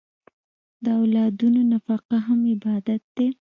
د اولادونو نفقه هم عبادت دی.